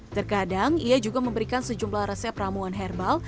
terkadang ia juga memberikan sejumlah resep ramuan herbal